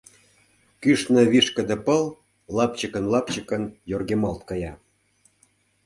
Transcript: Кӱшнӧ вишкыде пыл лапчыкын-лапчыкын йоргемалт кая.